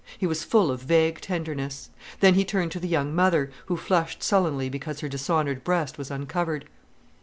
He was full of vague tenderness. Then he turned to the young mother, who flushed sullenly because her dishonoured breast was uncovered.